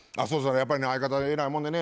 やっぱりね相方は偉いもんでね